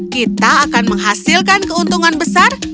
kita akan menghasilkan keuntungan besar